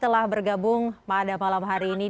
telah bergabung pada malam hari ini